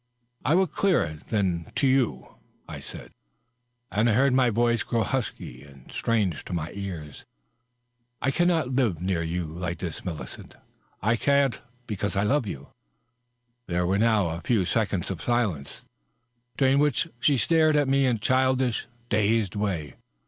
" I will dear it, then, to you/^ I said, and I heard my own voice grow husky and Strang to my own ears. " I can't live near you like this, Millicent. I can% because I love you." There were now a few seconds of silence, during which she stared at me in a childish, dazed way.